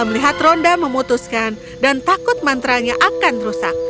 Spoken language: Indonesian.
lihat rhonda memutuskan dan takut mantra nya akan rusak